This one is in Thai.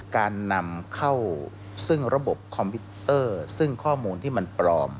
การนำเข้าซึ่งระบบคอมพิวเตอร์ซึ่งข้อมูลที่มันปลอม